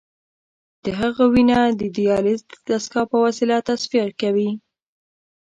د هغه وینه د دیالیز د دستګاه په وسیله تصفیه کوي.